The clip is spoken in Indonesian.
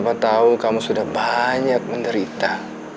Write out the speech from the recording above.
bapak tahu kamu sudah banyak menderita